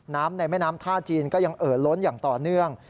ในแม่น้ำท่าจีนก็ยังเอ่อล้นอย่างต่อเนื่อง